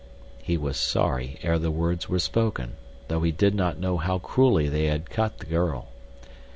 He was sorry ere the words were spoken though he did not know how cruelly they had cut the girl.